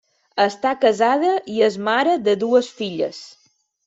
Està casada i és mare de dues filles.